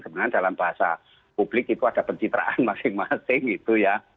sebenarnya dalam bahasa publik itu ada pencitraan masing masing gitu ya